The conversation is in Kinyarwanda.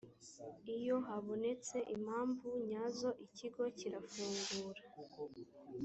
iyo habonetse impamvu nyazo ikigo kirafungura